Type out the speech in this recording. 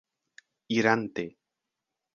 irante